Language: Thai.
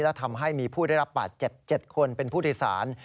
และทำให้มีผู้ได้รับบาดเจ็บ๗คนเป็นผู้โดยสาร